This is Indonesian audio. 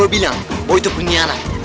gue bilang boy tuh penyianat